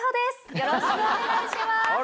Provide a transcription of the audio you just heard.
よろしくお願いします。